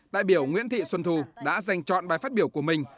đại biểu nguyễn thị xuân thu đã dành chọn bài phát biểu của mình